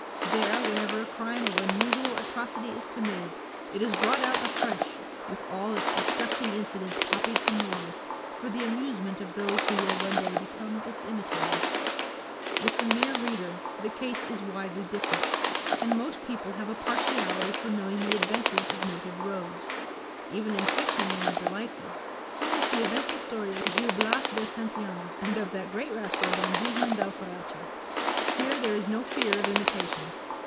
There, whenever a crime of unusual atrocity is committed, it is brought out afresh, with all its disgusting incidents copied from the life, for the amusement of those who will one day become its imitators. With the mere reader the case is widely different; and most people have a partiality for knowing the adventures of noted rogues. Even in fiction they are delightful: witness the eventful story of Gil Blas de Santillane, and of that great rascal Don Guzman d'Alfarache. Here there is no fear of imitation.